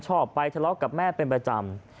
ชอบไปทะเลาะกับแม่เป็นประจำ